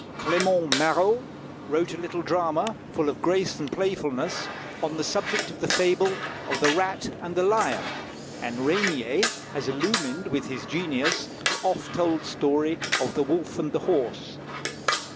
Clément Marot wrote a little drama, full of grace and playfulness, on the subject of the fable of "The Rat and the Lion;" and Régnier has illumined with his genius the oft told story of "The Wolf and the Horse."